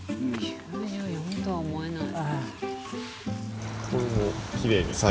９４とは思えない。